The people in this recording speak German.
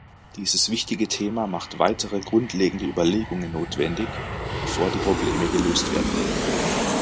Dieses wichtige Thema macht weitere grundlegende Überlegungen notwendig, bevor die Probleme gelöst werden können.